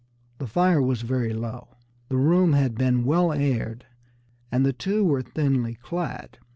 The fire was very low, the room had been well aired, and the two were thinly clad.